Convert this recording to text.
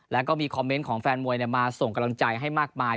แล้วก็มีคอมเมนต์ของแฟนมวยมาส่งกำลังใจให้มากมาย